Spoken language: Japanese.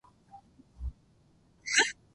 ふたりだけの愛のしるし